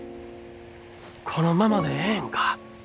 このままでええんか。